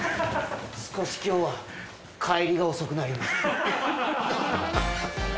少し今日は帰りが遅くなります。